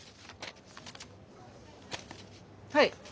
はい。